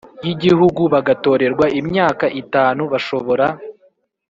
y Igihugu bagatorerwa imyaka itanu Bashobora